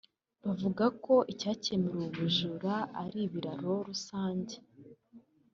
Bavuga ko icyakemura ubu bujura ari ibiraro rusange